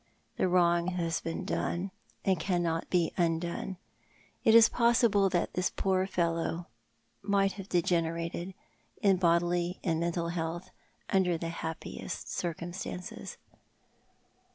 The wrong has been done, and cannot be undone. It is possible that this poor fellow might have degenerated— in bodily and mental health — under the hapi):est circum stances."